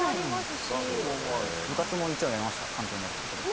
部活も一応辞めました館長になるって事で。